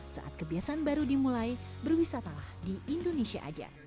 saat kebiasaan baru dimulai berwisatalah di indonesia aja